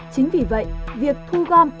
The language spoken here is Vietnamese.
chính vì vậy việc thu gom